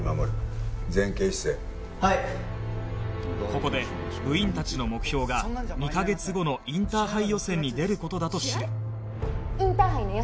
ここで部員たちの目標が２カ月後のインターハイ予選に出る事だと知る試合？